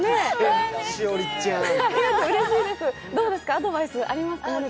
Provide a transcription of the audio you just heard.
アドバイスありますか？